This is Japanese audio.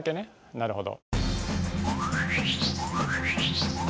なるほど。